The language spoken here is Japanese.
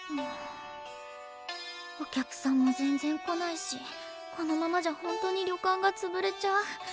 お客さんも全然来ないしこのままじゃホントに旅館がつぶれちゃう。